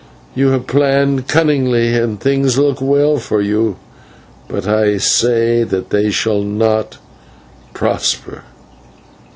you have planned cunningly, and things look well for you, but I say that they shall not prosper.